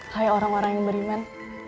kayak orang orang yang beriman